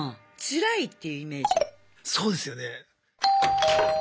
そうですよね。